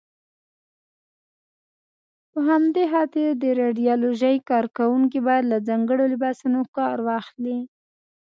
په همدې خاطر د راډیالوژۍ کاروونکي باید له ځانګړو لباسونو کار واخلي.